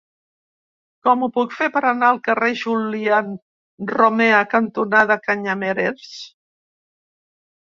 Com ho puc fer per anar al carrer Julián Romea cantonada Canyameres?